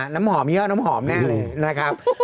น้ำหอมยี่ห้อน้ำหอมแน่เลยนะครับ